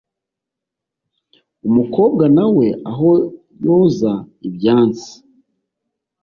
Umukobwa nawe aho yoza ibyansi